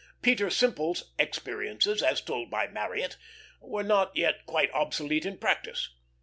Peter Simple's experiences, as told by Marryat, were not yet quite obsolete in practice.